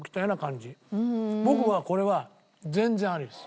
僕はこれは全然ありです。